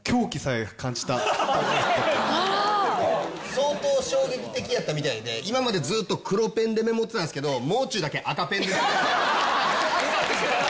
相当衝撃的やったみたいで今までずっと黒ペンでメモってたんですけどもう中だけ赤ペンで。